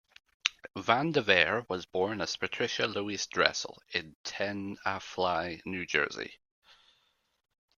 Van Devere was born as Patricia Louise Dressel in Tenafly, New Jersey.